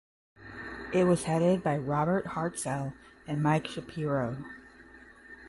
It was headed by Robert Hartzell and Mike Shapiro.